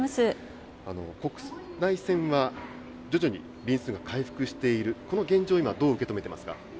国内線は徐々に便数が回復している、この現状、今、どう受け止めていますか。